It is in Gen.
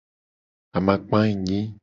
Amakpa enyi.